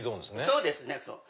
そうですね。